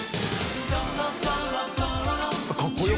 かっこよ。